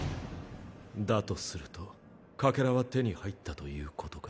だとするとかけらは手に入ったということか。